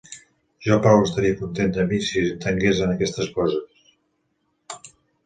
Jo prou estaría content de mi si entengués en aquestes coses.